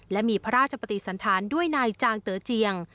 และมีพระราชปฏิสันธารด้วยนายจางเต๋อเจียง